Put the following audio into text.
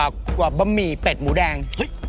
ที่ก่อบะหมี่เต็ดหมูแดง